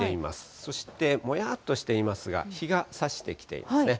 そして、もやーっとしていますが、日がさしてきていますね。